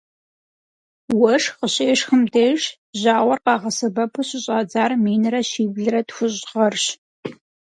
Уэшх къыщешхым деж жьауэр къагъэсэбэпу щыщӏадзар минрэ щиблрэ тхущӏ гъэрщ.